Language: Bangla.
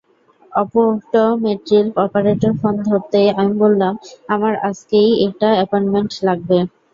অপটোমেট্রির অপারেটর ফোন ধরতেই আমি বললাম, আমার আজকেই একটা অ্যাপয়েন্টমেন্ট লাগবে।